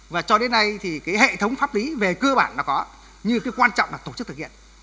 và cho đến nay thì hệ thống pháp lý về cơ bản nó có nhưng quan trọng là tổ chức thực hiện